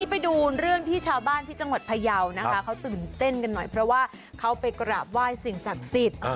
ไปดูเรื่องที่ชาวบ้านที่จังหวัดพยาวนะคะเขาตื่นเต้นกันหน่อยเพราะว่าเขาไปกราบไหว้สิ่งศักดิ์สิทธิ์